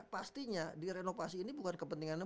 pastinya di renovasi ini bukan kepentingannya